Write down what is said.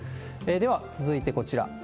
では、続いてこちら。